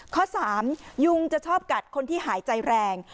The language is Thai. ข้อ๓ยุงจะชอบกัดคนที่หายใจแรง